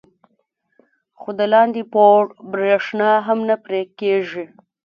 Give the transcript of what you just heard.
خو د لاندې پوړ برېښنا هم نه پرې کېږي.